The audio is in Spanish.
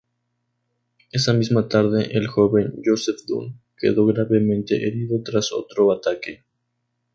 Esa misma tarde, el joven Joseph Dunn quedó gravemente herido tras otro ataque.